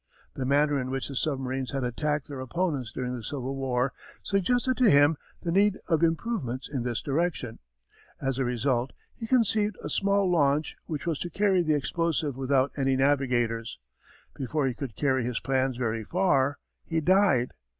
The manner in which the submarines had attacked their opponents during the Civil War suggested to him the need of improvements in this direction. As a result he conceived a small launch which was to carry the explosive without any navigators. Before he could carry his plans very far he died.